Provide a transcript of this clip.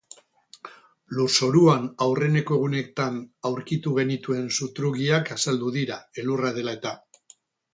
Lurzoruan, aurreneko egunetan aurkitu genituen satrugiak azaldu dira elurra dela eta.